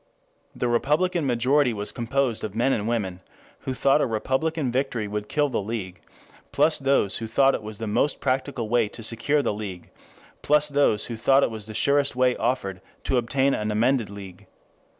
The Republican majority was composed of men and women who thought a Republican victory would kill the League, plus those who thought it the most practical way to secure the League, plus those who thought it the surest way offered to obtain an amended League.